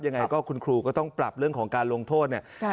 ยังไงก็คุณครูก็ต้องปรับเรื่องของการลงโทษเนี่ย